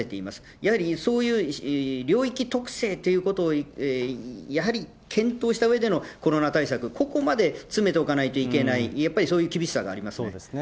やはりそういう領域特性ということをやはり検討したうえでのコロナ対策、ここまで詰めておかないといけない、やっぱりそういう厳しさがありますね。